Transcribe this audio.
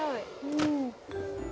うん。